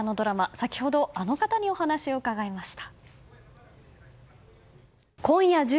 先ほど、あの方にお話を伺いました。